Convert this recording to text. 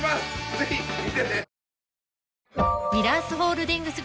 ぜひ見てね。